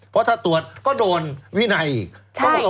เพราะถ้าตรวจก็โดนวินัยก็ไม่ให้ตรวจ